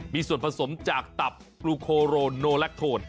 มีส่วนผสมจากตับปลูโคโรโนแลคโทน